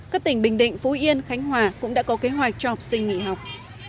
các tỉnh bình định phú yên khánh hòa cũng đã có kế hoạch cho học sinh nghỉ học